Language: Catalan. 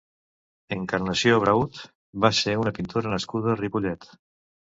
Encarnació Braut va ser una pintora nascuda a Ripollet.